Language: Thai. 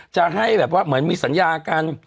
จะให้แบบว่าเหมือนมีสัญญากัน